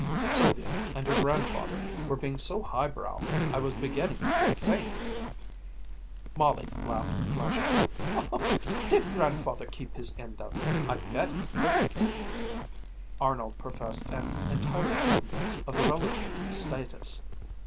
Sylvia and your grandfather were being so high brow I was beginning to feel faint," Molly laughed flashingly. "Did Grandfather keep his end up? I bet he couldn't!" Arnold professed an entire ignorance of the relative status.